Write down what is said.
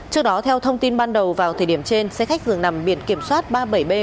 trước đó theo thông tin ban đầu vào thời điểm trên xe khách dường nằm biển kiểm soát ba mươi bảy b hai nghìn hai